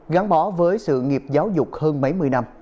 gắn bó với sự nghiệp giáo dục hơn mấy mươi năm